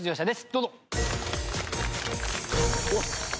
どうぞ。